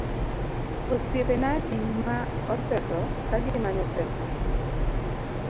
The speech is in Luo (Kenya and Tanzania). Osiepena adi ma osetho ka gimanyo pesa ni?